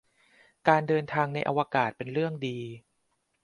การเดินทางในอวกาศ เป็นเรื่องดี